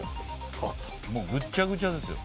もうぐっちゃぐちゃですよ。